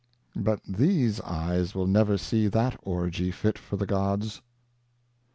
But these eyes will never see that orgy fit for the gods!